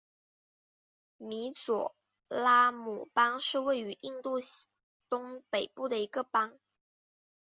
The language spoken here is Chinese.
米佐拉姆邦是位于印度东北部的一个邦。